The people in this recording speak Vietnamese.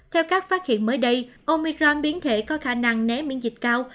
theo các phát hiện mới đây omicron biến thể có khả năng né miễn dịch cao